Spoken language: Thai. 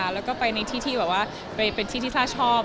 แล้วก็ไปในที่ที่ทราบชอบ